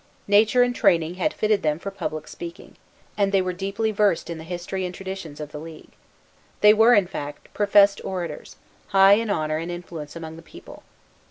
Nature and training had fitted them for public speaking, and they were deeply versed in the history and traditions of the league. They were in fact professed orators, high in honor and influence among the people.